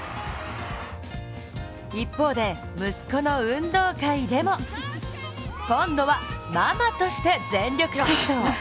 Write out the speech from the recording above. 一方で息子の運動会でも今度はママとして全力疾走。